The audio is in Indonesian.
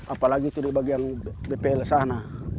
apalagi di bagian dpl sana